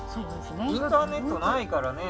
インターネットないからね。